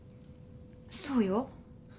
そうよ。